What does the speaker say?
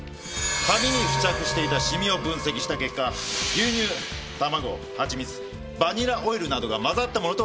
紙に付着していたシミを分析した結果牛乳卵はちみつバニラオイルなどが混ざったものとわかりました。